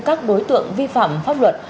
các đối tượng vi phạm pháp luật